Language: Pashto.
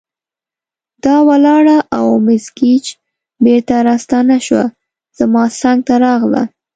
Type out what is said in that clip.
دا ولاړه او مس ګېج بیرته راستنه شوه، زما څنګ ته راغله.